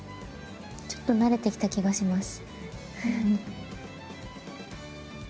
ちょっと慣れてきた気がします。